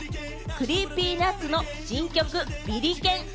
ＣｒｅｅｐｙＮｕｔｓの新曲『ビリケン』。